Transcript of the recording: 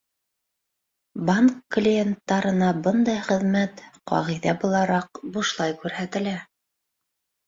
Банк клиенттарына бындай хеҙмәт, ҡағиҙә булараҡ, бушлай күрһәтелә.